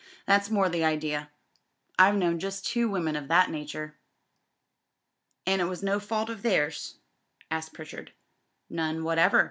"That's more the idea. I've known just two women of that nature." "An' it was no fault o' theirs?" asked Pritchard. "None whatever.